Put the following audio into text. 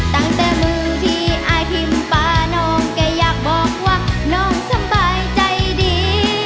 ตั้งแต่มือพี่อายพิมพ์ปลาน้องแกอยากบอกว่าน้องสบายใจดี